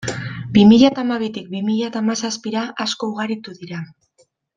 Bi mila eta hamabitik bi mila hamazazpira, asko ugaritu dira.